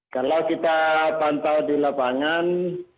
kalau kita pantau di lapangan